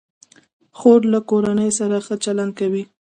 خور له کورنۍ سره ښه چلند کوي.